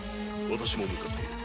私も向かっている。